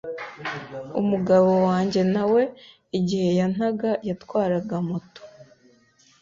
Umugabo wange na we igihe yantaga yatwaraga moto